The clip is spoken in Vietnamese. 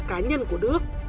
cái nhân của đức